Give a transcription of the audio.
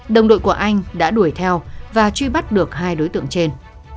đồng đội của anh đã đuổi theo và truy bắt được hai đối tượng trên